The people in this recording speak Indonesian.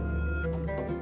tahlilan itu biasa